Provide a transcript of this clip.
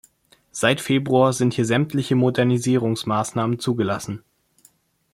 Seit Februar sind hier sämtliche Modernisierungsmaßnahmen zugelassen.